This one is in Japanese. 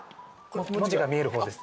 文字が見える方です。